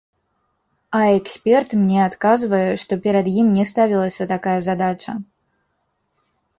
А эксперт мне адказвае, што перад ім не ставілася такая задача.